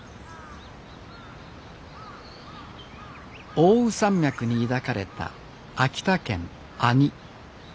奥羽山脈に抱かれた秋田県阿仁。